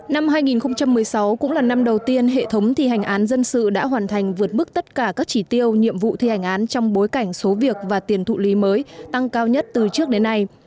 năm hai nghìn một mươi sáu cũng là năm đầu tiên hệ thống thi hành án dân sự đã hoàn thành vượt mức tất cả các chỉ tiêu nhiệm vụ thi hành án trong bối cảnh số việc và tiền thụ lý mới tăng cao nhất từ trước đến nay